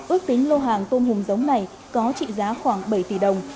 ước tính lô hàng tôm hùm giống này có trị giá khoảng bảy tỷ đồng